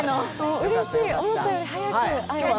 うれしい、思ったより早く会えて。